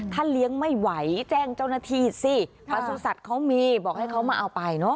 ถ้าเลี้ยงไม่ไหวแจ้งเจ้าหน้าที่สิประสุทธิ์เขามีบอกให้เขามาเอาไปเนอะ